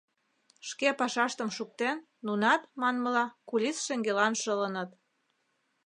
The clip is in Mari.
Шке пашаштым шуктен, нунат, манмыла, кулис шеҥгелан шылыныт.